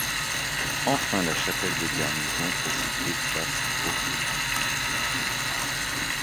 Enfin la chapelle de Garnison est située place Broglie.